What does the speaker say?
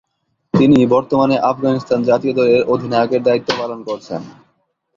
তিনি বর্তমানে আফগানিস্তান জাতীয় দলের অধিনায়কের দায়িত্ব পালন করছেন।